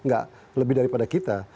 gak lebih daripada kita